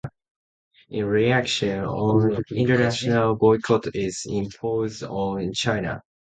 In reaction, an international boycott is imposed on China.